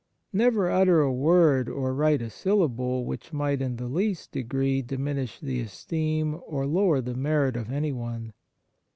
Never utter a word or write a syllable which might in the least degree diminish the esteem or lower the merit of anyone.